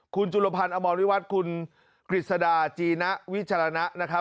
คุณจุลพันธ์อมวลวิวัฒน์คุณกฤษฎาจีนวิจารณะ